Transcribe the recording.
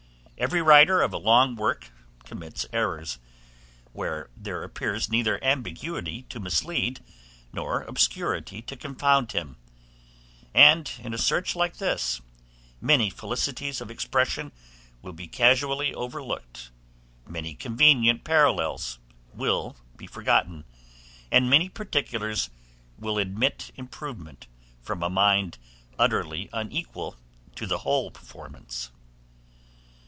Every writer of a long word commits errors, where there appears neither ambiguity to mislead, nor obscurity to confound him; and in a search like this, many felicities of expression will be casually overlooked, many convenient parallels will be forgotten, and many particulars will admit improvement from a mind utterly unequal to the whole performance.